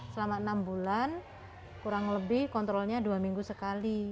selama enam bulan kurang lebih kontrolnya dua minggu sekali